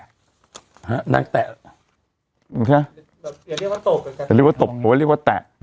เดียวว่าตบเรียกว่าแตะ